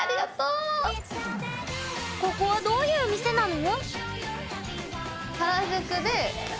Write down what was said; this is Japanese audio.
ここはどういう店なの？